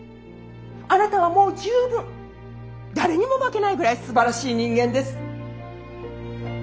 あなたはもう十分誰にも負けないぐらいすばらしい人間です。